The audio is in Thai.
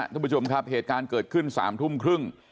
ท่านผู้ชมครับเหตุการณ์เกิดขึ้น๓ทุ่มครึ่ง